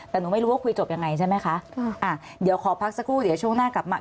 แต่หนูไม่รู้ว่าคุยจบยังไงใช่ไหมคะอ่าเดี๋ยวขอพักสักครู่เดี๋ยวช่วงหน้ากลับมา